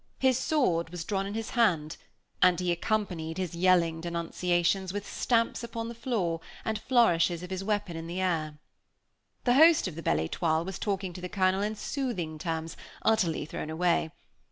His sword was drawn in his hand, and he accompanied his yelling denunciations with stamps upon the floor and flourishes of his weapon in the air. The host of the Belle Étoile was talking to the Colonel in soothing terms utterly thrown away.